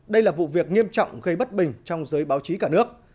đây là vụ việc nghiêm trọng gây bất bình trong giới báo chí cả nước